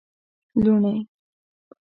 لوڼی